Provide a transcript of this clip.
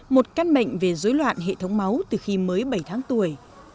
một căn bệnh về dối loạn hệ thống máu từ khi mới bảy tháng tuổi